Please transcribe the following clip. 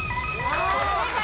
正解。